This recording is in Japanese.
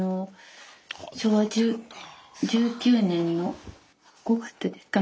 昭和１９年の５月ですか。